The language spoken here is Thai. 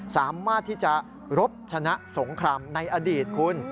สามารถที่จะรบชนะสงครามในอดีตคุณ